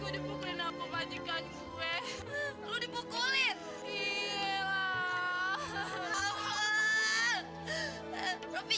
di pukulin apa majikan gue lu dipukulin iya